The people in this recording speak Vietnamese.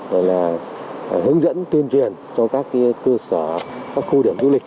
rồi là hướng dẫn tuyên truyền cho các cơ sở các khu điểm du lịch